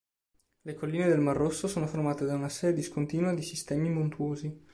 Le Colline del Mar Rosso sono formate da una serie discontinua di sistemi montuosi.